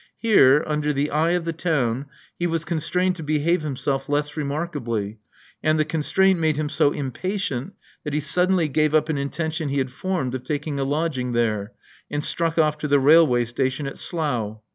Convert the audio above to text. Here, under the eye of the town, he was constrained to behave himself less remarkably; and the constraint made him so impatient that he suddenly gave up an intention he had formed of taking a lodging there, and struck ofiE to the railway station at Slough.